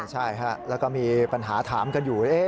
ใช่ฮะแล้วก็มีปัญหาถามกันอยู่